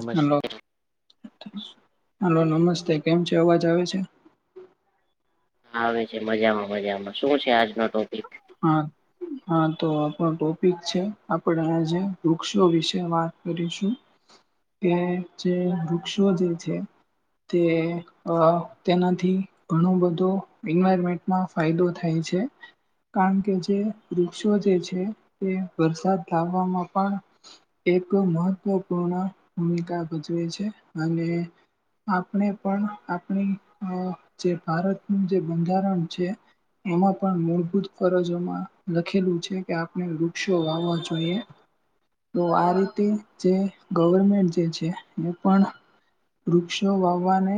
નમસ્ hello hello. નમસ્તે કેમ છે, અવાજ આવે છે? આવે છે મજામાં મજામાં શું છે આજનો ટોપિક? હા. હા તો આપણ ટોપિક છે આપણે આજે વૃક્ષો વિશે વાત કરીશું. કે જે વૃક્ષો જે છે. તે અ તેનાથી ઘણું બધું એન્વાયરમેન્ટમાં ફાયદો થાય છે. કારણ કે જે વૃક્ષો જે છે તે વરસાદ લાવવામાં પણ એક મહત્વપૂર્ણ ભૂમિકા ભજવે છે અને આપણે પણ આપણી અ જે ભારતનું જે બંધારણ છે એમાં પણ મૂળભૂત ફરજોમાં લખેલું છે કે આપણે વૃક્ષો વાવો જોઈએ. તો આ રીતે જે ગવર્મેન્ટ જે છે એ પણ વૃક્ષો વાવવાને.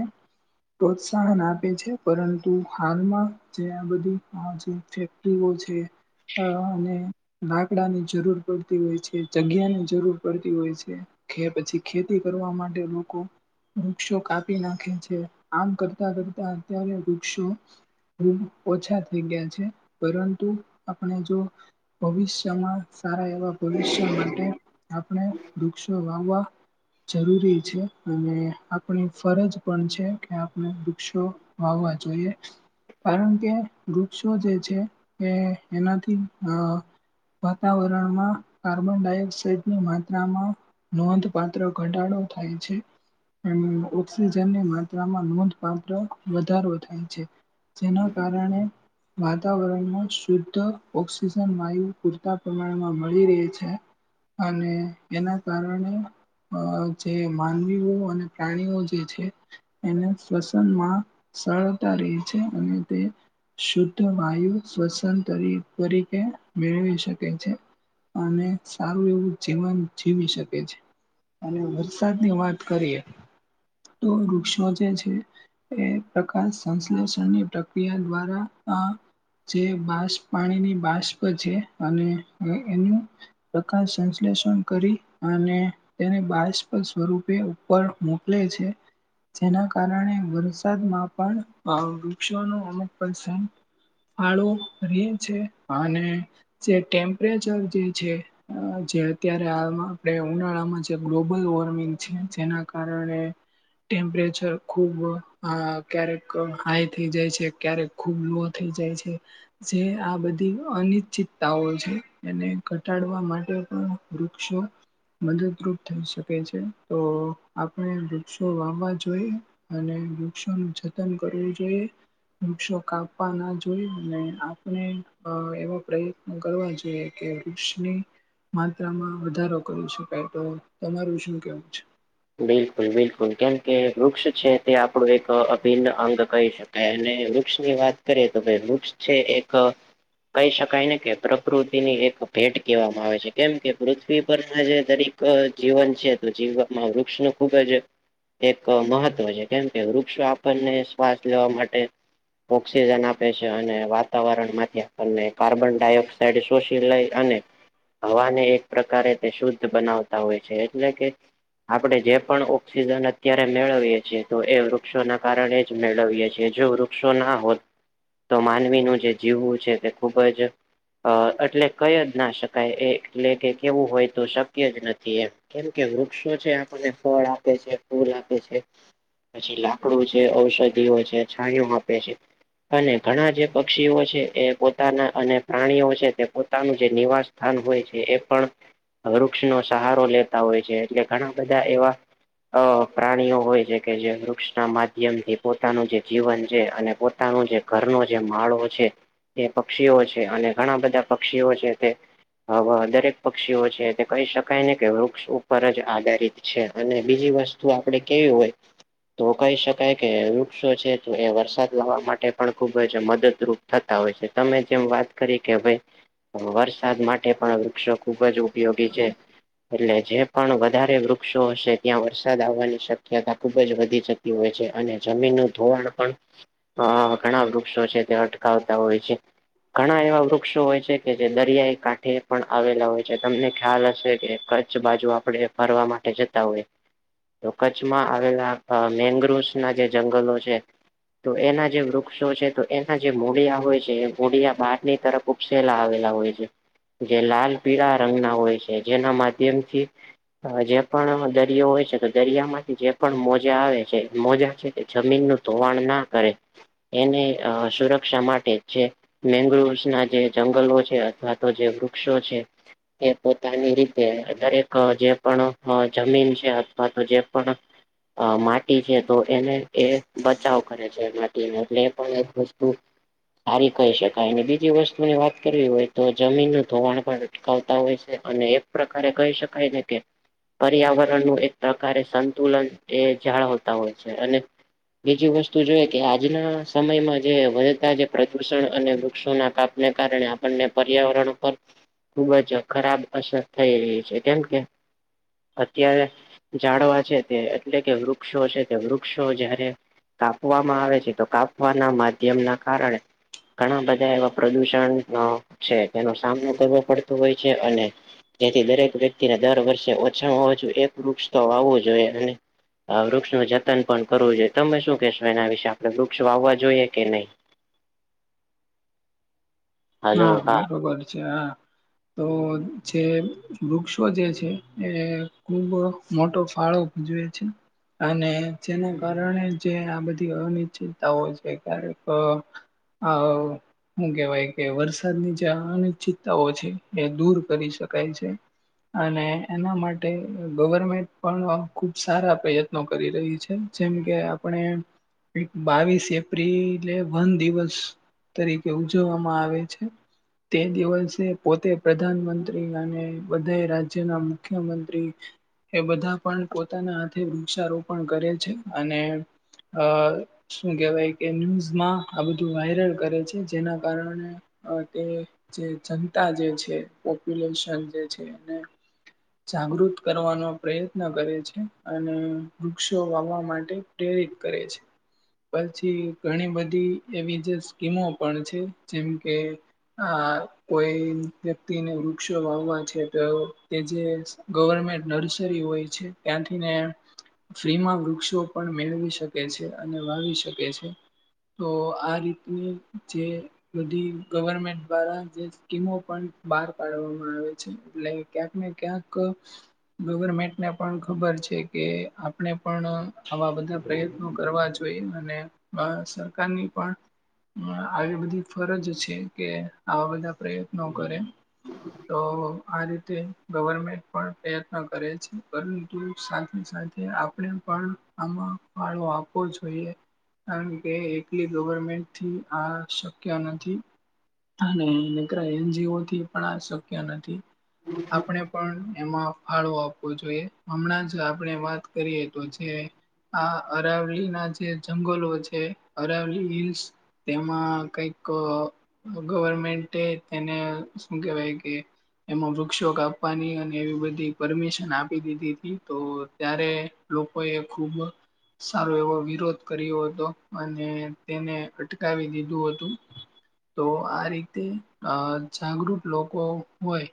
પ્રોત્સાહન આપે છે પરંતુ હાલમાં જે આ બધી. [unintelligible] હા. લાકડાની જરૂર પડતી હોય છે જગ્યા ની જરૂર પડતી હોય છે. કે પછી ખેતી કરવા માટે લોકો વૃક્ષો કાપી નાખે છે આમ કરતા કરતા અત્યારે વૃક્ષો. હ ઓછા થઈ ગયા છે. પરંતુ આપણે જો ભવિષ્યમાં સારા ભવિષ્ય માટે આપણે વૃક્ષો વાવવા. જરૂરી છે અને આપણી ફરજ પણ છે કે આપણે વૃક્ષો. વાવવા જોઈએ કારણ કે વૃક્ષો જે છે. કે એનાથી અ. વાતાવરણમાં કાર્બન ડાયોક્સાઇડની માત્રામાં. નોંધપાત્ર ઘટાડો થાય છે. ઓક્સિજનની માત્રામાં નોંધપાત્ર વધારો થાય છે. જેના કારણે વાતાવરણ. શુદ્ધ ઓક્સિજન વાયુ પૂરતા પ્રમાણમાં મળી રહે છે. અને એના કારણે. અ જે માનવીઓ અને પ્રાણીઓ જે ટીવી છે. એને શ્વસનમાં સરળતા રહી છે અને તે શુદ્ધ વાયુ શ્વસન તરીકે મેળવી શકે છે. અને સારું એવું જીવન જીવી શકે છે. અને વરસાદ ની વાત કરીએ તો વૃક્ષો જે છે. એ પ્રકાર સંશ્લેષણની પ્રક્રિયા દ્વારા આ. જે બાસપ પાણીની બાષ્ પર છે અને એનું. પ્રકાર સંશ્લેષણ કરી અને તેને બાળપદ સ્વરૂપે ઉપર મોકલે છે. જેના કારણે વરસાદમાં પણ વૃક્ષો ન અનુક છે. ફાળો રે છે અને જે ટેમ્પરેચર જે છે. જે અત્યારે હાલમાં આપણે ઉનાળામાં જે ગ્લોબલ વોર્મિંગ છે જેના કારણે. ટેમ્પરેચર ખૂબ અ ક્યારેક હાઈ થઇ જાય છે ક્યારેક ખૂબ લો થઇ જાય છે. [inaudible] જે આ બધી અનિશ્ચિતતાઓ છે એને ઘટાડવા માટે પણ વૃક્ષો. મદદરૂપ થઈ શકે છે તો આપણે વૃક્ષો વાવવા જોઈએ. અને વૃક્ષો ન જતન કરવું જોઈએ વૃક્ષો કાપવા ના જો આપણે એવા પ્રયત્નો કરવા જોઈએ કે વૃક્ષની માત્રામાં વધારો કર્યો છે પેટ્રોલ તમારું શું કેવું છે. બિલકુલ બિલકુલ કેમકે વૃક્ષ છે તે આપડું એક અભિન્ન અંગ કહી શ અને વૃક્ષ ની વાત કરીએ તો ભ વૃક્ષ છે એક. કહી શકાય ને કે પ્રકૃતિની એક ભેટ કહેવામાં આવે છે કેમ કે પૃથ્વી પરના જે દરીક જીવન છે તો જીવનમાં વૃક્ષ નુ ખુબ જ. એક મહત્વ છે કેમ કે વૃક્ષો આપણને શ્વાસ લેવા માટે. ઓક્સિજન આપે છે અને વાતાવરણ માંથી આપણને કાર્બન ડાયોક્ સાડ શોશી લઈ અને હવાને એક પ્રકારે તે શુદ્ધ બનાવતા હોય છે એટલે કે આપણે જે પણ ઓક્સિજન અત્યારે મેળવીએ છીએ તો એ વૃક્ષોના કારણે જ મેળવીએ છીએ જો વૃક્ષ. વુક્ષો ના હોત તો માનવીનું જે જીવવું છે તે ખૂબ જ. અ એટલે કઈ જ ના શકાય એ એટલે કે કેવું હોય તો શક્ય જ નથી એ. કેમ કે વૃક્ષો છે આપણને ફળ આપે છે ફૂલ આપે છે. પછી લાકડું છે ઔષધિઓ છે છાયો આપે છે. અને ઘણા જે પક્ષીઓ છે એ પોતાના અને પ્રાણીઓ છે તે પોતાનું જે નિવાસ. સ્થાન હોય છે એ પણ વૃક્ષ નો સહારો લેતા હોય છે એટલે ઘણા બધા એવા. અ પ્રાણીઓ હોય છે કે જે વૃક્ષ ના માધ્યમથી પોતાનું જે જીવન છે અને. પોતા નો જે ઘરનો જે માળો છે. એ પક્ષીઓ છે અને ઘણા બધા પક્ષીઓ છે તે. હવે દરેક પક્ષીઓ છે તે કહી શકાય ને કે વૃક્ષ ઉપર જ. આધારિત છે અને બીજી વસ્તુ આપડે કેવી હોય. તો કહી શકાય કે વૃક્ષો છે તો એ વરસાદ લાવા માટે પણ ખુબ જ મદદરૂપ. થતા હોય છે તમે જેમ વાત કરી કે ભાઈ. વરસાદ માટે પણ વૃક્ષો ખુબ જ ઉપયોગી છે એટલે જે પણ. વધારે વૃક્ષો હશે ત્યાં વરસાદ આવવાની શક્યતા ખુબ જ વધી જતી હોય છે અને જમીનનું ધોવાણ. પણ ઘણા વૃક્ષો છે તે અટકાવતા હોય છે. ઘણા એવા વૃક્ષો હોય છે કે જે દરિયાઈ કાંઠે પણ આવેલા હોય છે તમને ખ્યાલ હશે કે. કચ્છ બાજુ આપણે ફરવા માટે જતા હોય. તો કચ્છમાં આવેલા અ મેગ્રોવસ ના જે જંગલો છે. તો એના જે વૃક્ષો છે તો એના જે મુળિયા હોય છે. જે મુડિયા બહારની તરફ ઉપસેલા આવેલા હોય છે. જે લાલ પીળા રંગ ના હોય છે જેના માધ્યમથી. હ જે પણ દરિયો હોય છે તો દરિયા માંથી જે પણ મોજા આવે છે મોજા છે તે જમીનનું ધોવાણ ના કરે એને અ સુરક્ષા માટે જે મેગ્રુસ ના જે જંગલો છે અથવા તો જે વૃક્ષો છે એ પોતાની રીતે દરેક જે પણ જમીન છે અથવા તો જે પણ અ માટી છે તો એને એ બચાવ કરે છે માટીને એટલે એ પણ એક વસ્તુ સારી કહી શકાય બીજી વસ્તુ ની વાત કરવી હોય તો જમીનનું ધોવાણ પણ આવતા હોય છે અને એક પ્રકારે કહી શકાય ને કે પર્યાવરણનું એક પ્રકારે સંતુલન એ જાળવતા હોય છે અને બીજી વસ્તુ જોય કે આજના સમયમાં જે વધતા જે પ્રદૂષણ અને વૃક્ષોના કાપને કારણે અને પર્યાવરણ ઉપર ખુબ જ ખરાબ અસર થઈ રહી છે કેમ કે અત્યારે જાડવા છે તે એટલે કે વૃક્ષો છે તે વૃક્ષો જે હરે કાપવામાં આવે છે તો કાપવાના માધ્યમ ના કારણે ઘણા બધા એવા પ્રદુષણનો છે તેનો સામનો કરવો પડતો હોય છે અને જેથી દરેક વ્યક્તિને દર વર્ષે ઓછામાં ઓછું એક વૃક્ષ તો વાવવું જોઈએ અને હ વૃક્ષ ન જતન પણ કરવું જોઈએ તમે શું કેશો એના વિશે આપડે વૃક્ષ વાવવા જોઈએ કે નહીં હા બરોબર છે હા તો જે વૃક્ષો જે છે એ ખુબ મોટો ફાળો જોય છે અને જેના કારણે જે આ બધી અનિશ્ચિતતાઓ છે ક્યારેક હા હું કેવાય. કે વરસાદની જે અનિશ્ચિતતાઓ છે એ દૂર કરી શકાય છે. અને એના માટે ગવર્મેન્ટ પણ ખુબ સારા પ્રયત્ન કરી રહી છે જેમ કે આપણે બાવીસ એપ્રિલે વન દિવસ તરીકે ઉજવવા મા આવે છે તે દિવસે પોતે પ્રધાનમંત્રી અને બધા રાજ્યના મુખ્ય મંત્રી એ બધા પણ પોતાના હાથે વૃક્ષારોપણ કરે છે અને અ શું કેહેવાય કે ન્યૂઝમાં આ બધું વાયરલ કરે છે. જેના કારણે અ તે જે જનતા જે છે પોપ્યુલેશન જે છે અને જાગૃત કરવાનો પ્રયત્ન કરે છે. અને વૃક્ષો વાવવા માટે પ્રેરિત કરે છે. પછી ઘણી બધી એવી જે સ્કીમો પણ છે જેમ કે, આ કોઈ વ્યક્તિને વૃક્ષો વાવવા છે તેઓ તે જે ગવર્મેન્ટ નર્સરી હોય છે ત્યાંથીને ફ્રીમાં વૃક્ષો પણ મેળવી શકે છે, અને વાવી શકે છે. તો આ રીતની જે સુધી ગવર્મેન્ટ દ્વારા જે સ્કીમો પણ બહાર પાડવામાં આવે છે એટલે ક્યાંક ને ક્યાંક ક ગવર્મેન્ટને પણ ખબર છે કે આપણે પણ આવા બધા પ્રયત્નો કરવા જોઈએ. અને અ સરકારની પણ આવી બધી ફરજ છે કે આવા બધા પ્રયત્નો કરે. તો આ રીતે ગવર્મેન્ટ પણ પ્રયત્ન કરે છે. પરંતુ, સાથે સાથે આપણે પણ આમાં ફળો આપવો જોઈએ. કારણ કે એકલી ગવર્મેન્ટથી આ અને નકરા એનજીઓથી પણ આ શક્ય નથી. આપણે પણ એમાં ફાળો આપવો જોઈએ. હમણાં જ આપણે વાત કરીએ તો જે આ અરાવલીના જે જંગલો છે અરાવલી હિલ્સ તેમાં કઈક ગવર્મેન્ટે તેને શું કેહેવાય કે એમાં વૃક્ષો કાપવાની અને એવી બધી પરમિશન આપી દીધીતી તો ત્યારે લોકો એ ખૂબ સારો એવો વિરોધ કર્યો હતો, અને તેને અટકાવી દીધું હતું. તો આ રીતે અ જાગૃત લોકો હોય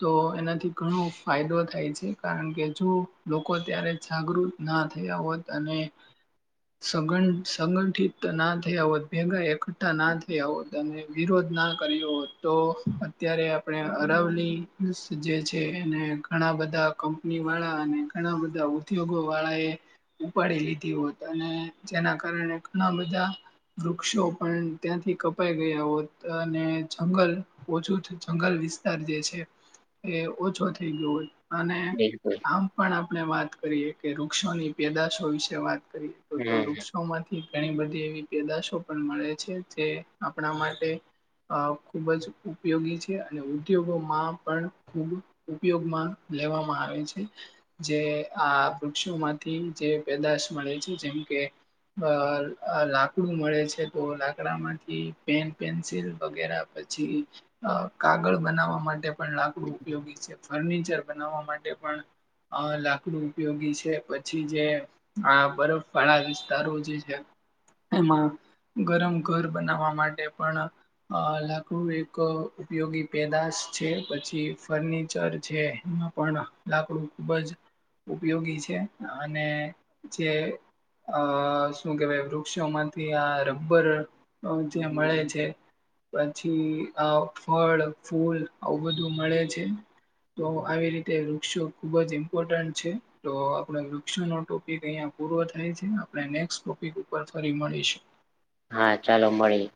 તો એનાથી ઘણો ફાયદો થાય છે કારણ કે જો લોકો ત્યારે જાગૃત ના થયા હોત અને સંગઠ સંગઠિત ના થયા હોત, ભેગા એકઠા ના થ તો તમે વિરોધ ના કર્યો હોત તો અત્યારે આપણે અરાવલી જે છે એને ઘણા બધા કંપનીવાળા અને ઘણા બધા ઉદ્યોગોવાળા એ ઉપાડી લીધી હોત, અને જેના કારણે ઘણા બધા વૃક્ષો પણ ત્યાંથી કપાઈ ગયા હોત, અને જંગલ ઓછું થત જંગલ વિસ્તાર જે છે એ ઓછો થઇ ગયો હોય. અને બિલકુલ આમ પણ આપણે વાત કરીએ કે, વૃક્ષોની પેદાશો વિશે વાત કરીએ તો તો હમ વૃક્ષોમાંથી ઘણી બધી એવી પેદાશો પણ મળે છે જે આપણા માટે અ ખૂબ જ ઉપયોગી છે અને ઉદ્યોગોમાં પણ ખૂબ ઉપયોગમાં લેવામાં આવે છે. જે આ વૃક્ષોમાંથી જે પેદાશ મળે છે જેમ કે અ લાકડું મળે છે તો લાકડા માંથી પેન પેન્સિલ વગેરે પછી અ કાગળ બનાવવા માટે પણ લાકડું ઉપયોગી છે ફર્નિચર બનાવવા માટે પણ અ લાકડું ઉપયોગી છે પછી જે આ બરફ વાળા વિસ્તારો જે છે એમાં ગરમ ઘર બનાવવા માટે પણ અ લાકડું એક ઉપયોગી પેદાશ છે. પછી ફર્નિચર છે એમાં પણ લાકડું ખૂબ જ ઉપયોગી છે અને જે અ શું કેવાય વૃક્ષોમાંથી આ રબ્બર અ ત્યાં મળે છે. પછી આ ફળ ફૂલ આવું બધું મળે છે. તો આવી રીતે વૃક્ષો ખુબ જ ઇમ્પોર્ટન્ટ છે. તો આપડ વૃક્ષ નો ટોપિક અહિયાં પૂરો થાય છે આપણે નેક્ ટોપિક ઉપર ફરી મળીશું હા ચાલો મળીએ